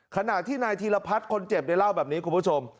ขณะที่นายธีรพัฒน์คนเจ็บได้เล่าแบบนี้คุณผู้ชม